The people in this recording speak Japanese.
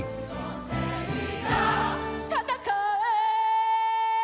「戦え！」